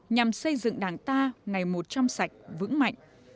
nhằm xây dựng đảng ta ngày một trăm linh sạch vững mạnh